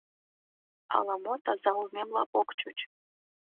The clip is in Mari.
Ала-мо таза улмемла ок чуч.